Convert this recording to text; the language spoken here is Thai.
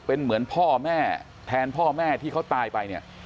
เป็นเหมือนพ่อแม่แทนพ่อแม่ที่เขาตายไปเนี่ย